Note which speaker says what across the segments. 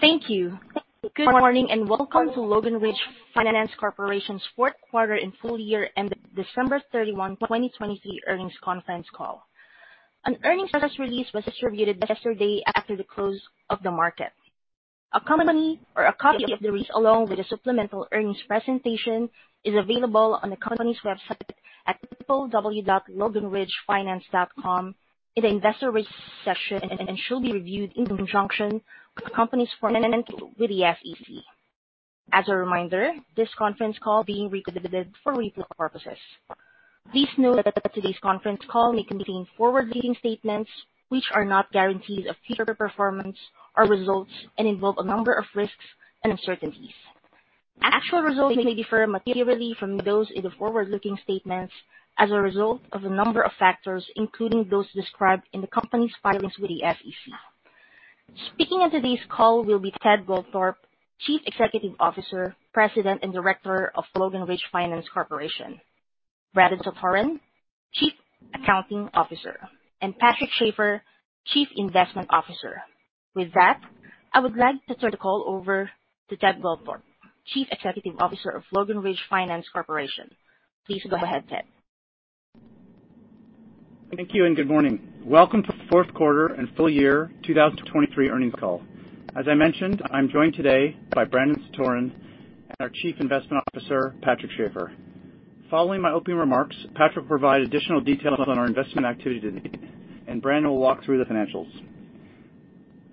Speaker 1: Thank you. Good morning and welcome to Logan Ridge Finance Corporation's Fourth Quarter and Full-Year End of December 31, 2023 Earnings Conference Call. An earnings press release was distributed yesterday after the close of the market. A copy of the release along with a supplemental earnings presentation is available on the company's website at www.loganridgefinance.com in the investor relations section and shall be reviewed in conjunction with the company's Form 10-K and with the SEC. As a reminder, this conference call is being recorded for research purposes. Please note that today's conference call may contain forward-looking statements which are not guarantees of future performance or results and involve a number of risks and uncertainties. Actual results may differ materially from those in the forward-looking statements as a result of a number of factors including those described in the company's filings with the SEC. Speaking on today's call will be Ted Goldthorpe, Chief Executive Officer, President and Director of Logan Ridge Finance Corporation; Brandon Satoren, Chief Accounting Officer; and Patrick Schafer, Chief Investment Officer. With that, I would like to turn the call over to Ted Goldthorpe, Chief Executive Officer of Logan Ridge Finance Corporation. Please go ahead, Ted.
Speaker 2: Thank you and good morning. Welcome to the fourth quarter and full-year 2023 earnings call. As I mentioned, I'm joined today by Brandon Satoren and our Chief Investment Officer, Patrick Schafer. Following my opening remarks, Patrick will provide additional details on our investment activity today, and Brandon will walk through the financials.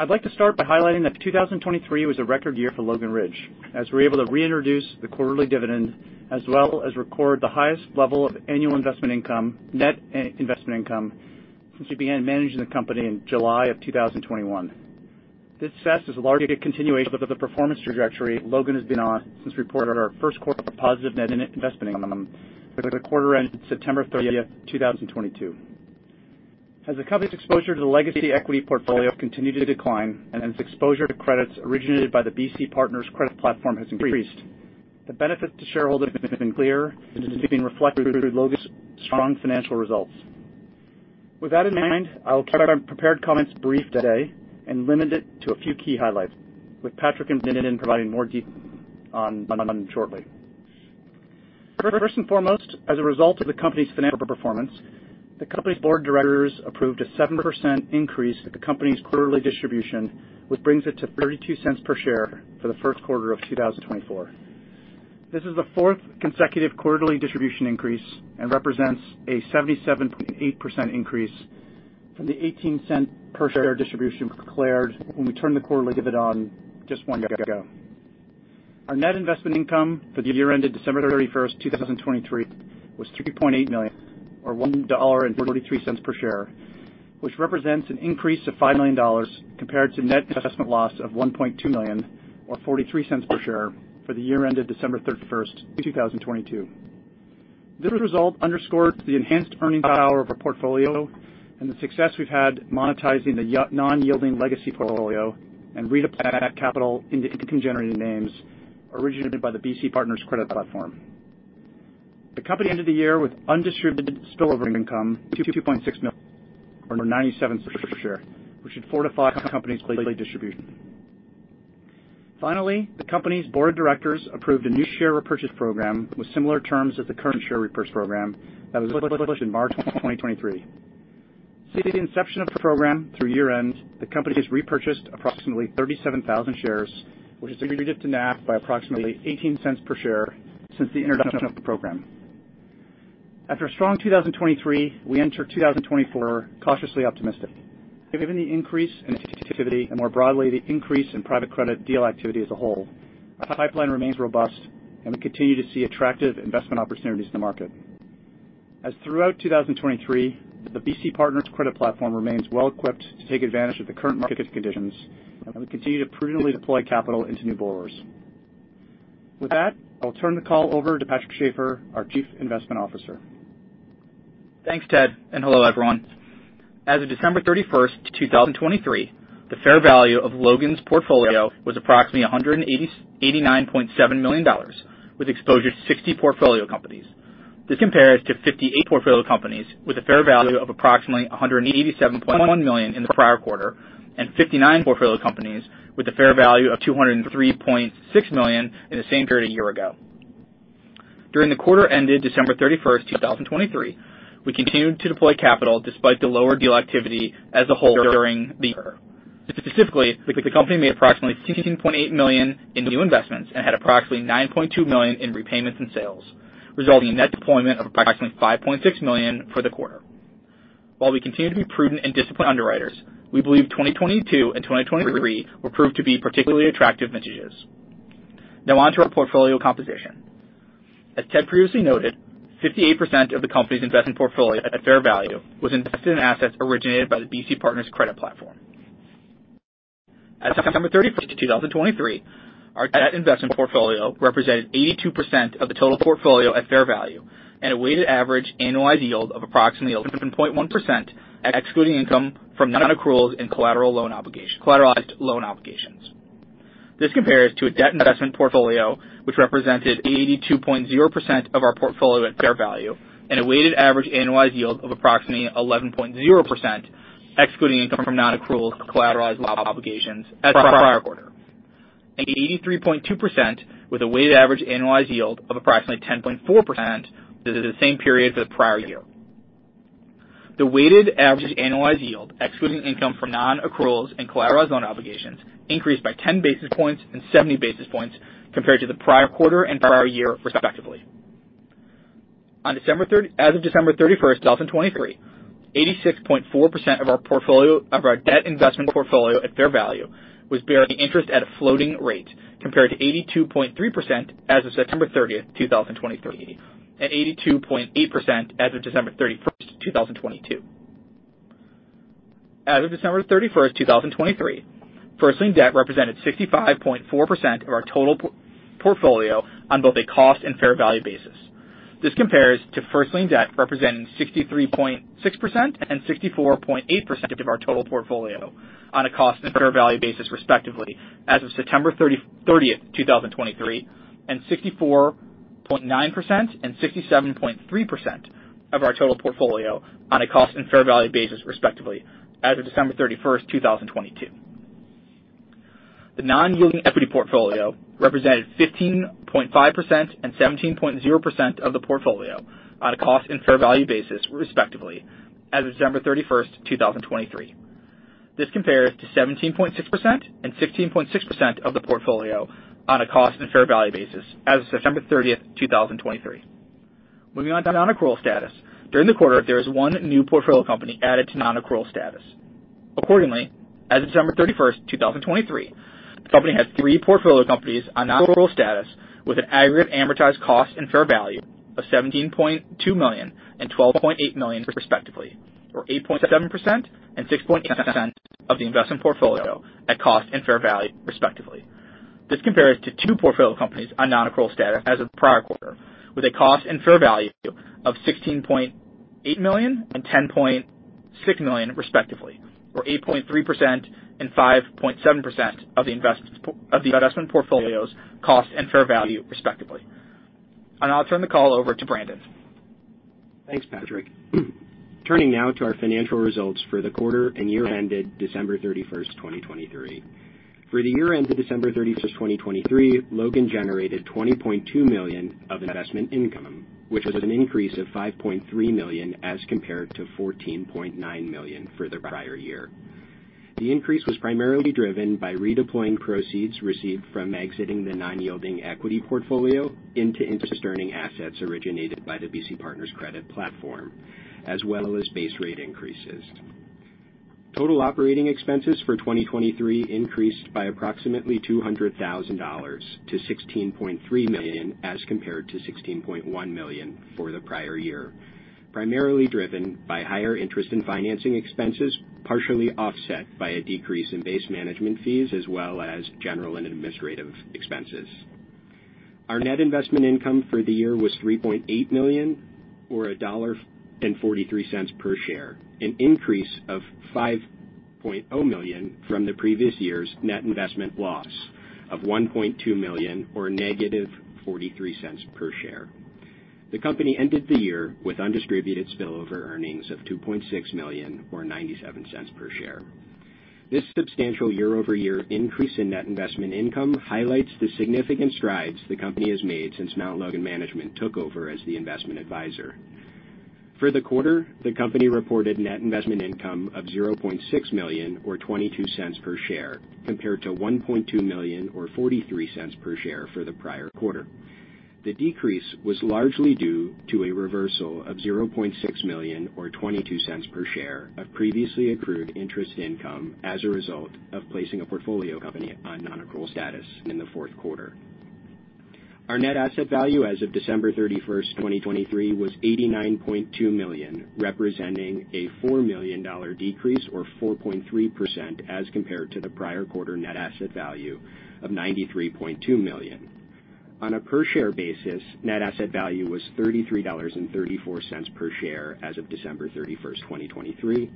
Speaker 2: I'd like to start by highlighting that 2023 was a record year for Logan Ridge as we were able to reintroduce the quarterly dividend as well as record the highest level of annual investment income, net investment income, since we began managing the company in July of 2021. This is a large continuation of the performance trajectory Logan has been on since we reported our first quarter of positive net investment income with a quarter-end September 30th, 2022. As the company's exposure to the legacy equity portfolio continued to decline and its exposure to credits originated by the BC Partners Credit platform has increased, the benefits to shareholders have been clear and have been reflected through Logan's strong financial results. With that in mind, I will keep my prepared comments brief today and limit it to a few key highlights, with Patrick and Brandon providing more detail shortly. First and foremost, as a result of the company's financial performance, the company's board of directors approved a 7% increase to the company's quarterly distribution, which brings it to $0.32 per share for the first quarter of 2024. This is the fourth consecutive quarterly distribution increase and represents a 77.8% increase from the $0.18 per share distribution declared when we turned the quarterly dividend on just one year ago. Our net investment income for the year ended December 31st, 2023, was $3.8 million or $1.43 per share, which represents an increase of $5 million compared to net investment loss of $1.2 million or $0.43 per share for the year ended December 31st, 2022. This result underscores the enhanced earning power of our portfolio and the success we've had monetizing the non-yielding legacy portfolio and redeploying that capital into income-generating names originated by the BC Partners credit platform. The company ended the year with undistributed spillover income of $2.6 million or $0.97 per share, which should fortify the company's quarterly distribution. Finally, the company's board of directors approved a new share repurchase program with similar terms as the current share repurchase program that was published in March 2023. Since the inception of the program through year-end, the company has repurchased approximately 37,000 shares, which has accretive to NAV by approximately $0.18 per share since the introduction of the program. After a strong 2023, we enter 2024 cautiously optimistic. Given the increase in activity and more broadly the increase in private credit deal activity as a whole, our pipeline remains robust and we continue to see attractive investment opportunities in the market. As throughout 2023, the BC Partners Credit platform remains well-equipped to take advantage of the current market conditions and we continue to prudently deploy capital into new borrowers. With that, I will turn the call over to Patrick Schafer, our Chief Investment Officer.
Speaker 3: Thanks, Ted, and hello everyone. As of December 31st, 2023, the fair value of Logan's portfolio was approximately $189.7 million with exposure to 60 portfolio companies. This compares to 58 portfolio companies with a fair value of approximately $187.1 million in the prior quarter and 59 portfolio companies with a fair value of $203.6 million in the same period a year ago. During the quarter-ended December 31st, 2023, we continued to deploy capital despite the lower deal activity as a whole during the year. Specifically, the company made approximately $16.8 million in new investments and had approximately $9.2 million in repayments and sales, resulting in net deployment of approximately $5.6 million for the quarter. While we continue to be prudent and disciplined underwriters, we believe 2022 and 2023 will prove to be particularly attractive vintages. Now onto our portfolio composition. As Ted previously noted, 58% of the company's investment portfolio at fair value was invested in assets originated by the BC Partners Credit platform. As of December 31st, 2023, our net investment portfolio represented 82% of the total portfolio at fair value and a weighted average annualized yield of approximately 11.1% excluding income from non-accruals and collateralized loan obligations. This compares to a debt investment portfolio which represented 82.0% of our portfolio at fair value and a weighted average annualized yield of approximately 11.0% excluding income from non-accruals and collateralized loan obligations as per prior quarter, and 83.2% with a weighted average annualized yield of approximately 10.4% during the same period for the prior year. The weighted average annualized yield excluding income from non-accruals and collateralized loan obligations increased by 10 basis points and 70 basis points compared to the prior quarter and prior year, respectively. As of December 31, 2023, 86.4% of our debt investment portfolio at fair value was bearing interest at a floating rate compared to 82.3% as of September 30, 2023, and 82.8% as of December 31, 2022. As of December 31, 2023, first-lien debt represented 65.4% of our total portfolio on both a cost and fair value basis. This compares to first-lien debt representing 63.6% and 64.8% of our total portfolio on a cost and fair value basis, respectively, as of September 30, 2023, and 64.9% and 67.3% of our total portfolio on a cost and fair value basis, respectively, as of December 31st, 2022. The non-yielding equity portfolio represented 15.5% and 17.0% of the portfolio on a cost and fair value basis, respectively, as of December 31st, 2023. This compares to 17.6% and 16.6% of the portfolio on a cost and fair value basis as of September 30, 2023. Moving on to non-accrual status. During the quarter, there was one new portfolio company added to non-accrual status. Accordingly, as of December 31st, 2023, the company had three portfolio companies on non-accrual status with an aggregate amortized cost and fair value of $17.2 million and $12.8 million, respectively, or 8.7% and 6.8% of the investment portfolio at cost and fair value, respectively. This compares to two portfolio companies on non-accrual status as of the prior quarter with a cost and fair value of $16.8 million and $10.6 million, respectively, or 8.3% and 5.7% of the investment portfolio's cost and fair value, respectively. I'll turn the call over to Brandon.
Speaker 4: Thanks, Patrick. Turning now to our financial results for the quarter and year-ended December 31st, 2023. For the year-ended December 31st, 2023, Logan generated $20.2 million of investment income, which was an increase of $5.3 million as compared to $14.9 million for the prior year. The increase was primarily driven by redeploying proceeds received from exiting the non-yielding equity portfolio into interest-earning assets originated by the BC Partners credit platform, as well as base rate increases. Total operating expenses for 2023 increased by approximately $200,000 to $16.3 million as compared to $16.1 million for the prior year, primarily driven by higher interest and financing expenses partially offset by a decrease in base management fees as well as general and administrative expenses. Our net investment income for the year was $3.8 million or $1.43 per share, an increase of $5.0 million from the previous year's net investment loss of $1.2 million or -$0.43 per share. The company ended the year with undistributed spillover earnings of $2.6 million or $0.97 per share. This substantial year-over-year increase in net investment income highlights the significant strides the company has made since Mount Logan Management took over as the investment advisor. For the quarter, the company reported net investment income of $0.6 million or $0.22 per share compared to $1.2 million or $0.43 per share for the prior quarter. The decrease was largely due to a reversal of $0.6 million or $0.22 per share of previously accrued interest income as a result of placing a portfolio company on non-accrual status in the fourth quarter. Our net asset value as of December 31st, 2023, was $89.2 million, representing a $4 million decrease or 4.3% as compared to the prior quarter net asset value of $93.2 million. On a per-share basis, net asset value was $33.34 per share as of December 31, 2023,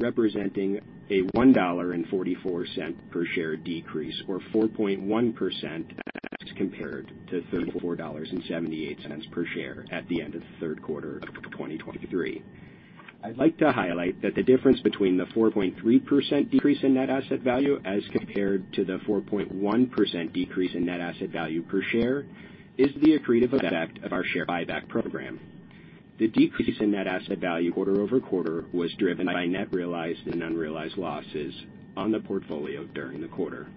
Speaker 4: representing a $1.44 per share decrease or 4.1% as compared to $34.78 per share at the end of the third quarter of 2023. I'd like to highlight that the difference between the 4.3% decrease in net asset value as compared to the 4.1% decrease in net asset value per share is the accretive effect of our share buyback program. The decrease in net asset value quarter-over-quarter was driven by net realized and unrealized losses on the portfolio during the quarter.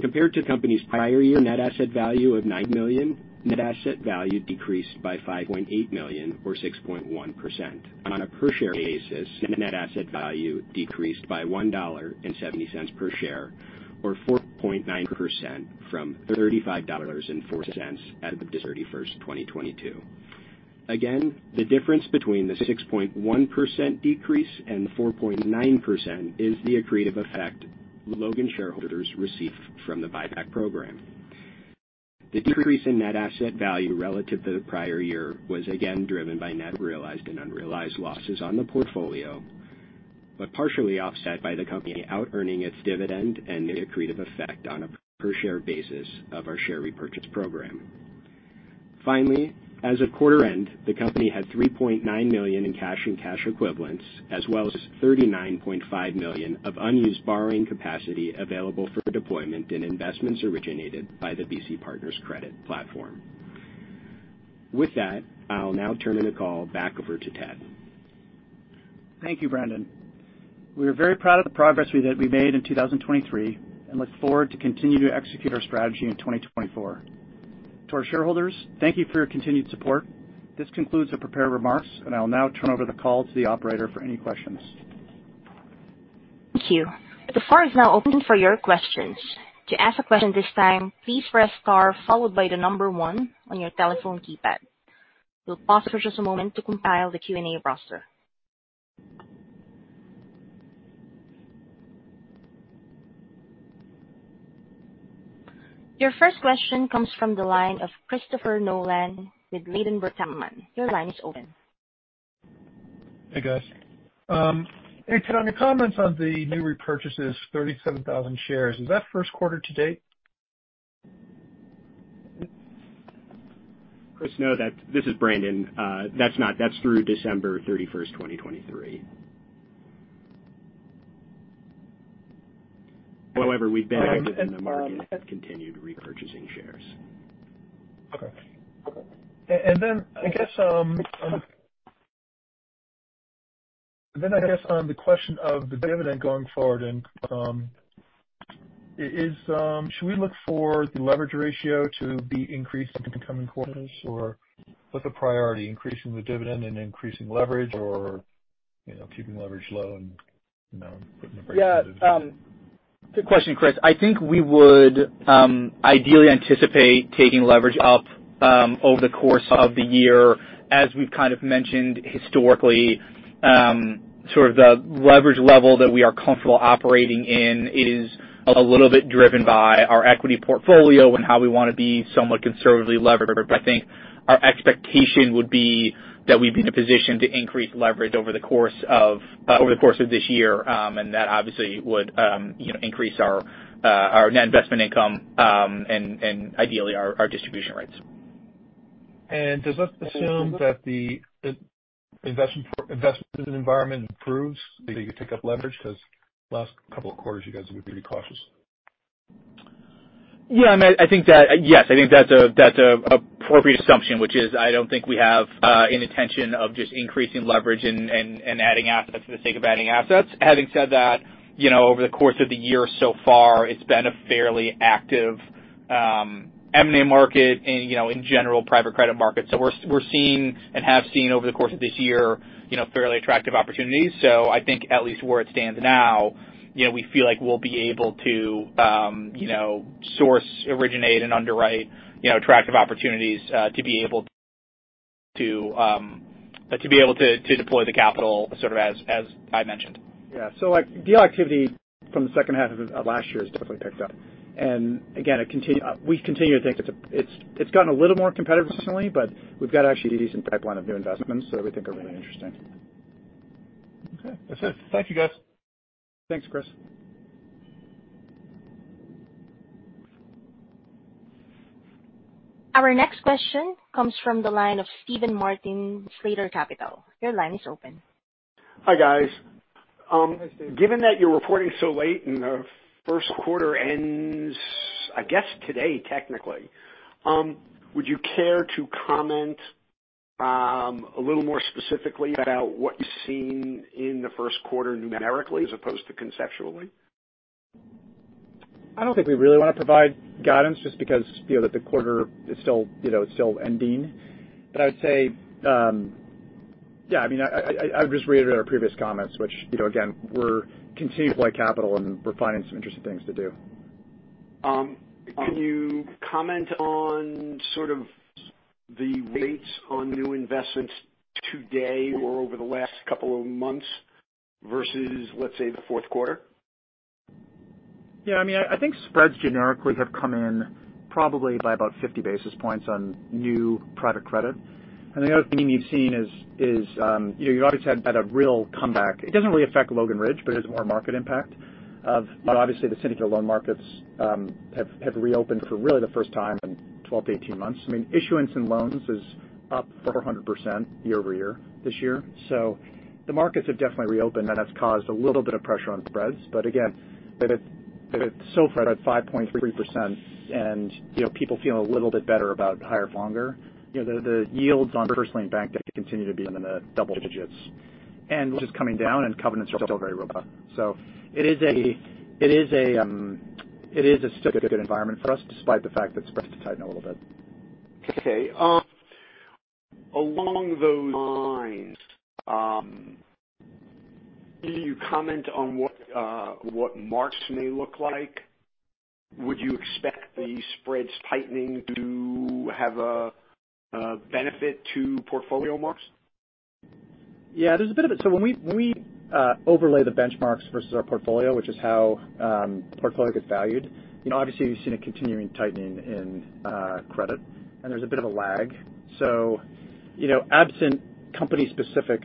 Speaker 4: Compared to the company's prior year net asset value of $9 million, net asset value decreased by $5.8 million or 6.1%. On a per-share basis, net asset value decreased by $1.70 per share or 4.9% from $35.04 as of December 31st, 2022. Again, the difference between the 6.1% decrease and the 4.9% is the accretive effect Logan shareholders received from the buyback program. The decrease in net asset value relative to the prior year was again driven by net realized and unrealized losses on the portfolio, but partially offset by the company out-earning its dividend and the accretive effect on a per-share basis of our share repurchase program. Finally, as of quarter-end, the company had $3.9 million in cash and cash equivalents, as well as $39.5 million of unused borrowing capacity available for deployment in investments originated by the BC Partners Credit platform. With that, I'll now turn the call back over to Ted.
Speaker 2: Thank you, Brandon. We are very proud of the progress that we made in 2023 and look forward to continuing to execute our strategy in 2024. To our shareholders, thank you for your continued support. This concludes our prepared remarks, and I'll now turn over the call to the operator for any questions.
Speaker 5: Thank you. The floor is now open for your questions. To ask a question this time, please press star followed by the number one on your telephone keypad. We'll pause for just a moment to compile the Q&A roster. Your first question comes from the line of Christopher Nolan with Ladenburg Thalmann. Your line is open.
Speaker 6: Hey, guys. Ted, on your comments on the new repurchases, 37,000 shares, is that first quarter to date?
Speaker 4: Chris, no, this is Brandon. That's through December 31st, 2023. However, we've been active in the market continuing to repurchase shares.
Speaker 6: Okay. And then I guess on the question of the dividend going forward, should we look for the leverage ratio to be increased in the coming quarters, or what's the priority, increasing the dividend and increasing leverage or keeping leverage low and putting a break in it?
Speaker 3: Yeah. Good question, Chris. I think we would ideally anticipate taking leverage up over the course of the year. As we've kind of mentioned historically, sort of the leverage level that we are comfortable operating in is a little bit driven by our equity portfolio and how we want to be somewhat conservatively leveraged. I think our expectation would be that we'd be in a position to increase leverage over the course of this year, and that obviously would increase our net investment income and ideally our distribution rates.
Speaker 6: Does that assume that the investment environment improves, that you could take up leverage? Because last couple of quarters, you guys would be pretty cautious.
Speaker 3: Yeah, I mean, yes, I think that's an appropriate assumption, which is I don't think we have an intention of just increasing leverage and adding assets for the sake of adding assets. Having said that, over the course of the year so far, it's been a fairly active M&A market and, in general, private credit market. So we're seeing and have seen over the course of this year fairly attractive opportunities. So I think at least where it stands now, we feel like we'll be able to source, originate, and underwrite attractive opportunities to be able to be able to deploy the capital, sort of as I mentioned.
Speaker 2: Yeah. So deal activity from the second half of last year has definitely picked up. And again, we continue to think it's gotten a little more competitive recently, but we've got actually a decent pipeline of new investments that we think are really interesting.
Speaker 6: Okay. That's it. Thank you, guys.
Speaker 2: Thanks, Chris.
Speaker 5: Our next question comes from the line of Steven Martin, Slater Capital. Your line is open.
Speaker 7: Hi, guys. Given that you're reporting so late and the first quarter ends, I guess, today, technically, would you care to comment a little more specifically about what you've seen in the first quarter numerically as opposed to conceptually?
Speaker 2: I don't think we really want to provide guidance just because the quarter is still ending. But I would say, yeah, I mean, I would just reiterate our previous comments, which, again, we're continuing to deploy capital and we're finding some interesting things to do.
Speaker 7: Can you comment on sort of the rates on new investments today or over the last couple of months versus, let's say, the fourth quarter?
Speaker 2: Yeah. I mean, I think spreads generically have come in probably by about 50 basis points on new private credit. And the other thing you've seen is you've obviously had a real comeback. It doesn't really affect Logan Ridge, but it has more market impact. Obviously, the syndicated loan markets have reopened for really the first time in 12-18 months. I mean, issuance and loans is up 400% year-over-year this year. So the markets have definitely reopened, and that's caused a little bit of pressure on spreads. But again, it's SOFR at 5.33% and people feeling a little bit better about higher longer. The yields on first-lien bank debt continue to be in the double digits, and we're just coming down, and covenants are still very robust. So it is still a good environment for us despite the fact that spreads have tightened a little bit.
Speaker 7: Okay. Along those lines, can you comment on what marks may look like? Would you expect the spreads tightening to have a benefit to portfolio marks?
Speaker 2: Yeah, there's a bit of it. So when we overlay the benchmarks versus our portfolio, which is how portfolio gets valued, obviously, you've seen a continuing tightening in credit, and there's a bit of a lag. So absent company-specific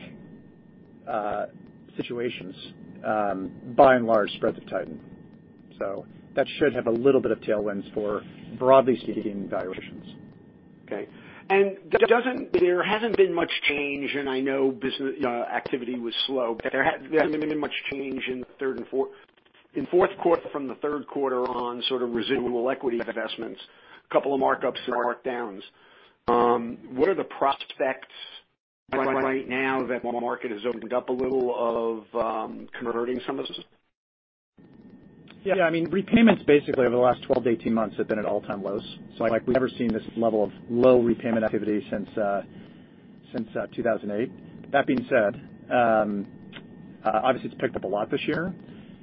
Speaker 2: situations, by and large, spreads have tightened. So that should have a little bit of tailwinds for broadly speaking valuations.
Speaker 7: Okay. There hasn't been much change, and I know business activity was slow, but there hasn't been much change in fourth quarter from the third quarter on sort of residual equity investments, a couple of markups and markdowns. What are the prospects right now that the market has opened up a little of converting some of this?
Speaker 2: Yeah. I mean, repayments basically over the last 12-18 months have been at all-time lows. So we've never seen this level of low repayment activity since 2008. That being said, obviously, it's picked up a lot this year.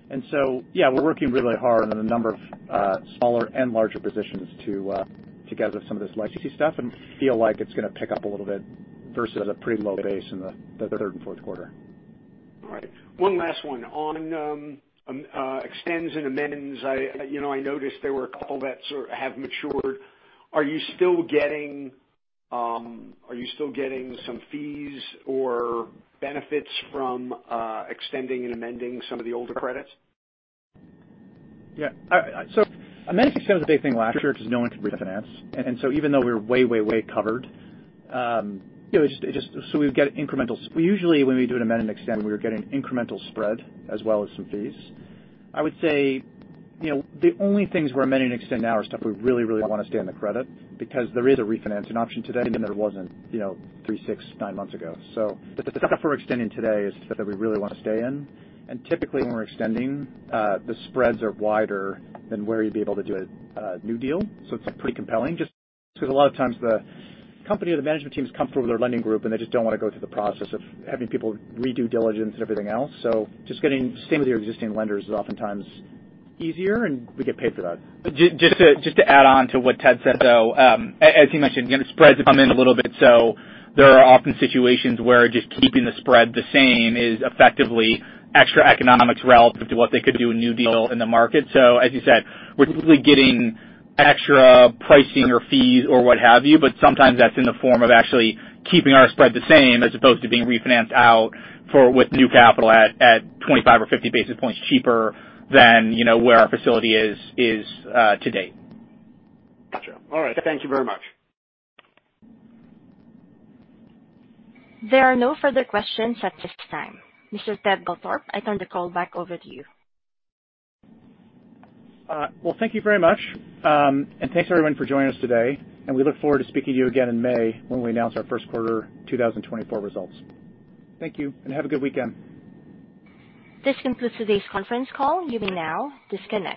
Speaker 2: And so, yeah, we're working really hard on a number of smaller and larger positions to get rid of some of this legacy stuff and feel like it's going to pick up a little bit versus a pretty low base in the third and fourth quarter.
Speaker 7: All right. One last one. On extends and amends, I noticed there were a couple that sort of have matured. Are you still getting some fees or benefits from extending and amending some of the older credits?
Speaker 2: Yeah. So amend and extend was a big thing last year because no one could refinance. And so even though we're way, way, way covered, it just so we would get incremental we usually, when we do an amend and extend, we were getting incremental spread as well as some fees. I would say the only things we're amending and extending now are stuff we really, really want to stay in the credit because there is a refinancing option today than there was in three, six, nine months ago. So the stuff we're extending today is stuff that we really want to stay in. And typically, when we're extending, the spreads are wider than where you'd be able to do a new deal. It's pretty compelling just because a lot of times, the company or the management team is comfortable with their lending group, and they just don't want to go through the process of having people redo diligence and everything else. Just staying with your existing lenders is oftentimes easier, and we get paid for that.
Speaker 3: Just to add on to what Ted said, though, as he mentioned, spreads have come in a little bit. So there are often situations where just keeping the spread the same is effectively extra economics relative to what they could do in a new deal in the market. So as you said, we're typically getting extra pricing or fees or what have you, but sometimes that's in the form of actually keeping our spread the same as opposed to being refinanced out with new capital at 25 or 50 basis points cheaper than where our facility is to date.
Speaker 7: Gotcha. All right. Thank you very much.
Speaker 5: There are no further questions at this time. Mr. Ted Goldthorpe, I turn the call back over to you.
Speaker 2: Well, thank you very much. Thanks, everyone, for joining us today. We look forward to speaking to you again in May when we announce our first quarter 2024 results. Thank you, and have a good weekend.
Speaker 5: This concludes today's conference call. You may now disconnect.